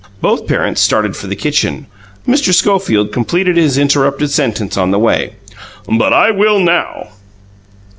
Both parents, started for the kitchen, Mr. Schofield completing his interrupted sentence on the way. "But I will, now!"